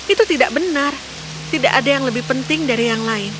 itu tidak benar tidak ada yang lebih penting dari yang lain